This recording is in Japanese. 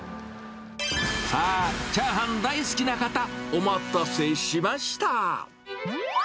さあ、チャーハン大好きな方、お待たせしました。